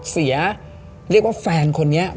เสียเรียกว่าแฟนคนนี้